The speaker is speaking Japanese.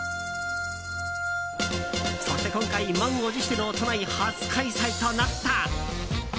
そして今回満を持しての都内初開催となった。